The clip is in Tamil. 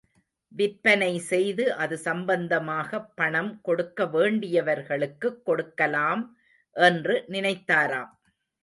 விற்பனைசெய்து அது சம்பந்தமாகப் பணம் கொடுக்க வேண்டியவர்களுக்குக் கொடுக்கலாம் என்று நினைத்தாராம்.